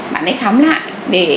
bạn ấy khám lại